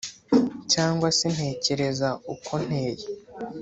Cyangwa se ntekereza uko nteye?